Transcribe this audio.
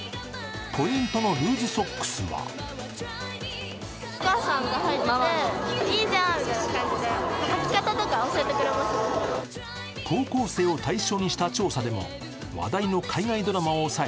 ポイントのルーズソックスは高校生を対象にした調査でも話題の海外ドラマを抑え